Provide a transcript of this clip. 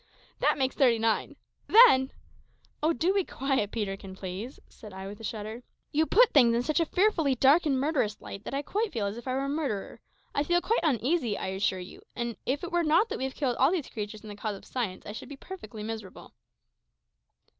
That makes thirty nine. Then " "Oh, do be quiet, Peterkin, please," said I, with a shudder. "You put things in such a fearfully dark and murderous light that I feel quite as if I were a murderer. I feel quite uneasy, I assure you; and if it were not that we have killed all these creatures in the cause of science, I should be perfectly miserable."